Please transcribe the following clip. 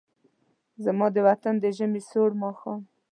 زما د وطن د ژمې سوړ ماښام